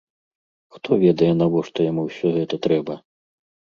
Хто ведае, навошта яму ўсё гэта трэба?